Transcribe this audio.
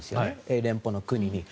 英連邦の国に。